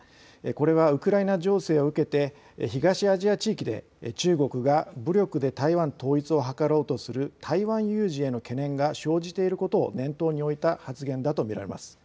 これはウクライナ情勢を受けて東アジア地域で中国が武力で台湾統一を図ろうとする台湾有事への懸念が生じていることを念頭に置いた発言だと見られます。